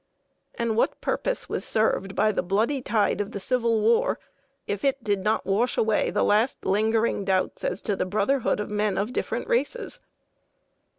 And what purpose was served by the bloody tide of the Civil War if it did not wash away the last lingering doubts as to the brotherhood of men of different races?